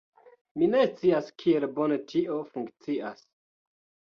Mi ne scias kiel bone tio funkcias